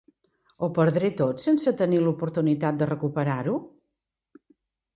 Ho perdré tot sense tenir l'oportunitat de recuperar-ho?